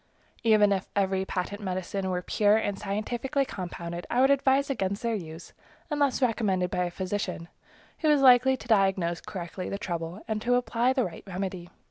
Even if every patent medicine were pure and scientifically compounded, I would advise against their use, unless recommended by a physician, who is likely to diagnose correctly the trouble and to apply the right remedy.